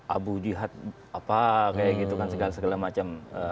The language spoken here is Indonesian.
abu jihad apa kayak gitu kan segala segala macam